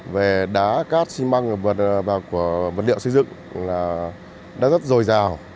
về đá cát xi măng và vật liệu xây dựng đã rất dồi dào